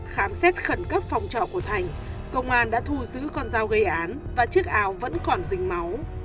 khám xét khẩn cấp phòng trọ của thành công an đã thu giữ con dao gây án và chiếc áo vẫn còn dình máu